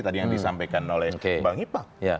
tadi yang disampaikan oleh bang ipak